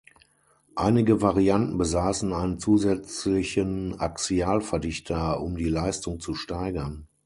Einige Varianten besaßen einen zusätzlichen Axial-Verdichter, um die Leistung zu steigern.